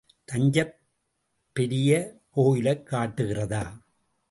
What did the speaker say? தஞ்சைப் பெரிய கோயிலக் காட்டுகிறதா.